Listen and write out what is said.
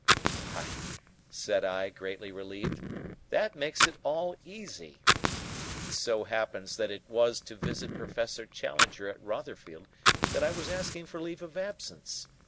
"Why," said I, greatly relieved, "this makes it all easy. It so happens that it was to visit Professor Challenger at Rotherfield that I was asking for leave of absence.